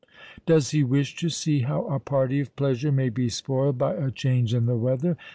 Does he wish to see how a party of pleasure may be spoiled by a change in the weather?